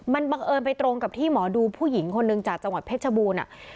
มันบังเอิญไปตรงกับที่หมอดูผู้หญิงคนหนึ่งจากจังหวัดเพชรบูรณ์